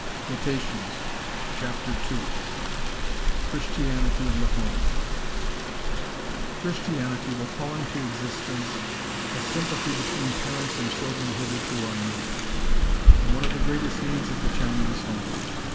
QUOTATIONS CHAPTER II. CHRISTIANITY AND THE HOME Christianity will call into existence a sympathy between parents and children hitherto unknown, and one of the greatest needs of the Chinese home.